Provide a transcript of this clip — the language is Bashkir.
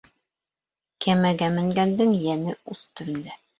Кәмәгә менгәндең йәне ус төбөндә.